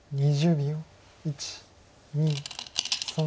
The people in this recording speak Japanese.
２０秒。